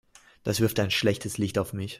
Das wirft ein schlechtes Licht auf mich.